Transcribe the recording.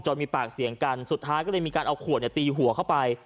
มีปากเสียงกันสุดท้ายก็เลยมีการเอาขวดเนี่ยตีหัวเข้าไป